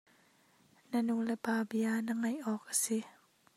Na nulepa bia na ngaih awk a si.